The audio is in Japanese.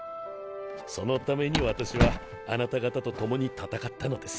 そのために私はあなた方と共に戦ったのです。